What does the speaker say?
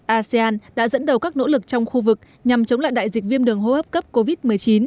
asean đã dẫn đầu các nỗ lực trong khu vực nhằm chống lại đại dịch viêm đường hô hấp cấp covid một mươi chín